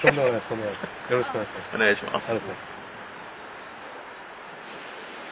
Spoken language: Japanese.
よろしくお願いします。